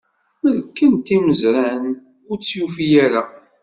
Mellken-t imezran, ur tt-yufi ara.